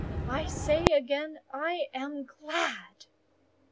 I say again, I am glad!"